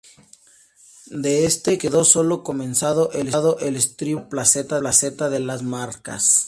De este quedó solo comenzado el estribo de la placeta de las Barcas.